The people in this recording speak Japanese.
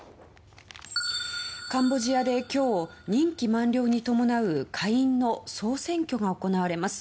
カンボジアで今日任期満了に伴う下院の総選挙が行われます。